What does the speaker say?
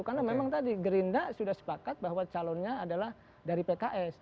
karena memang tadi gerinda sudah sepakat bahwa calonnya adalah dari pks